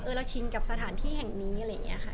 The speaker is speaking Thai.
เราชินกับสถานที่แห่งนี้อะไรอย่างนี้ค่ะ